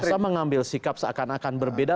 masa sih masa mengambil sikap seakan akan berbeda